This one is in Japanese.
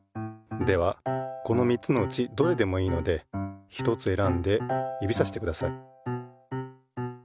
ではこの３つのうちどれでもいいのでひとつ選んで指さしてください。